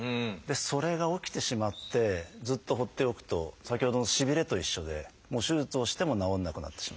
それが起きてしまってずっと放っておくと先ほどのしびれと一緒で手術をしても治らなくなってしまう。